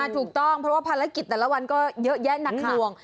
ถูกต้องเพราะว่าภารกิจแต่ละวันก็เยอะแยะหนักหน่วง